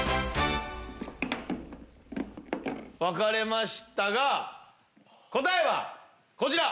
分かれましたが答えはこちら！